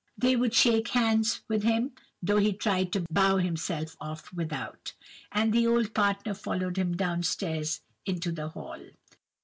"They would shake hands with him, though he tried to bow himself off without; and the old partner followed him down stairs into the hall.